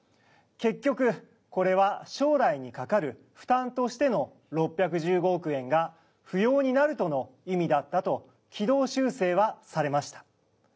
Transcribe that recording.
結局これは将来にかかる負担としての６１５億円が不要になるとの意味だったと軌道修正はされました。